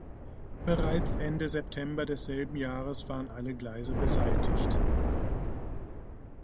Bereits Ende September desselben Jahres waren alle Gleise beseitigt.